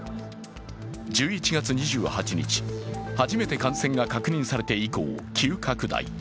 １１月２８日、初めて感染が確認されて以降、急拡大。